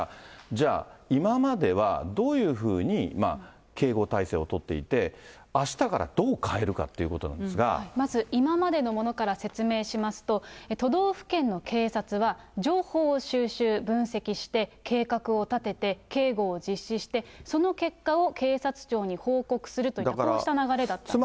じゃあ、今まではどういうふうに警護体制を取っていて、あしたから、どうまず今までのものから説明しますと、都道府県の警察は、情報を収集・分析して、計画を立てて、警護を実施して、その結果を警察庁に報告するといった、こうした流れだったんですね。